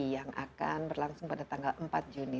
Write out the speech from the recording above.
yang akan berlangsung pada tanggal empat juni